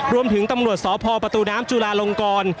รวมถึงตำรวจสพประตูน้ำจุลาลงกร